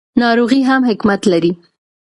ناروغي هم حکمت لري.